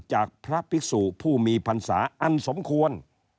จากพระภิกษุผู้มีพรรษาอันสมควร